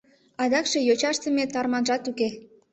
Адакше йоча ыштыме тарманжат уке.